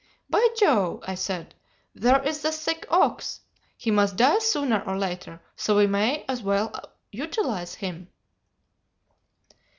"'By Jove!' I said, 'there is the sick ox. He must die sooner or later, so we may as well utilize him.